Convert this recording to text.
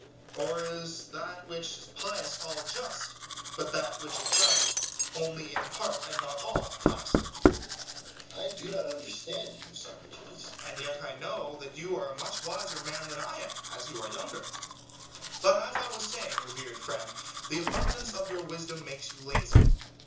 or, is that which is pious all just, but that which is just, only in part and not all, pious? EUTHYPHRO: I do not understand you, Socrates. SOCRATES: And yet I know that you are as much wiser than I am, as you are younger. But, as I was saying, revered friend, the abundance of your wisdom makes you lazy.